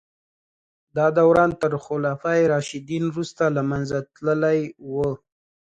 دا دوران تر خلفای راشدین وروسته له منځه تللی و.